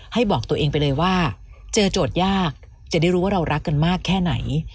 บอกตัวเองไปเลยว่าเจอโจทย์ยากจะได้รู้ว่าเรารักกันมากแค่ไหน